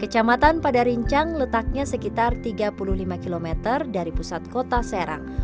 kecamatan padarincang letaknya sekitar tiga puluh lima km dari pusat kota serang